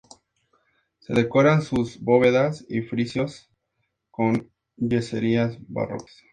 Se decoran sus bóvedas y frisos con yeserías barrocas.